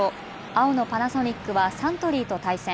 青のパナソニックはサントリーと対戦。